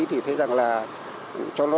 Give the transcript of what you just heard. thì thấy rằng là cho nó